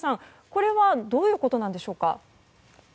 これはどういうことなんでしょうか。